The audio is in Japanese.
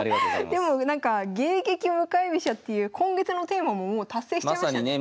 でもなんか「迎撃向かい飛車」っていう今月のテーマももう達成しちゃいましたね。